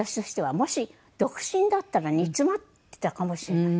もし独身だったら煮詰まっていたかもしれない。